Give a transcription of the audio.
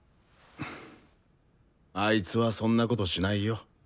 あいつはそんなことしないよ。